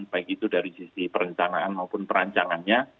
baik itu dari sisi perencanaan maupun perancangannya